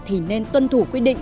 thì nên tuân thủ quy định